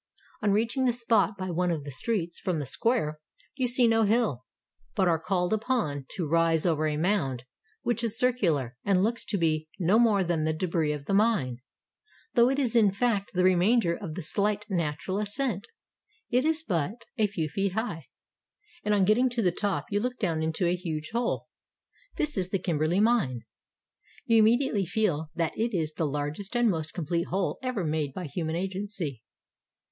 On reaching the spot by one of the streets from the square you see no hill, but are called upon to rise over a mound, which is circular and looks to be no more than the debris of the mine, though it is in fact the remainder of the slight natural ascent. It is but 447 SOUTH AFRICA a few feet high, and on getting to the top you look down into a huge hole. This is the Kimberley mine. You immediately feel that it is the largest and most com plete hole ever made by human agency.